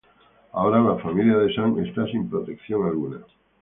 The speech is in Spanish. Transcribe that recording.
Ahora la familia de Sam está sin protección alguna.